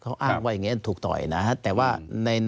เขาอ้างว่าโดยงี้ถูกต่อยนะครับ